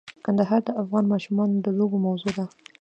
کندهار د افغان ماشومانو د لوبو موضوع ده.